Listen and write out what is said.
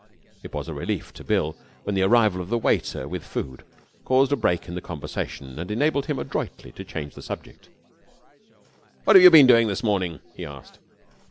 It was a relief to Bill when the arrival of the waiter with food caused a break in the conversation and enabled him adroitly to change the subject. 'What have you been doing this morning?' he asked.